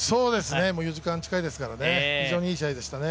４時間近いですから、非常にいい試合でしたね。